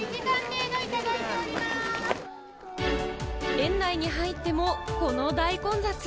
園内に入っても、この大混雑！